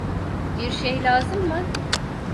Bir şey lazım mı?